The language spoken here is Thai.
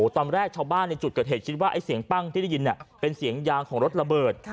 ตอนแรกชาวบ้านในจุดเกิดเหตุคิดว่าเสียงปั้งที่ได้ยินเป็นเสียงยางของรถระเบิด